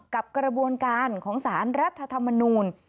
กับกระบวนการของสารรัฐธรรมนูล